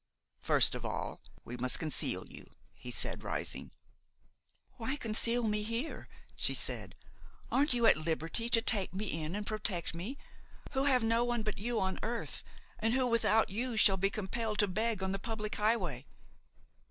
"First of all, we must conceal you," he said, rising. "Why conceal me here?" she said; "aren't you at liberty to take me in and protect me, who have no one but you on earth, and who, without you, shall be compelled to beg on the public highway?